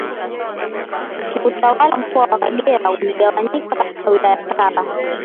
Kiutawala Mkoa wa Kagera umegawanyika katika Wilaya Saba